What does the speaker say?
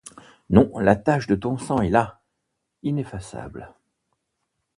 Non, la tache de ton sang est là, ineffaçable.